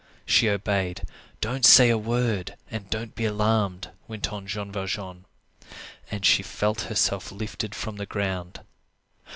She obeyed. "Don't say a word, and don't be alarmed," went on Jean Valjean. And she felt herself lifted from the ground.